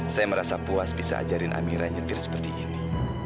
saya merasa puas bisa ajarin amira nyetir seperti ini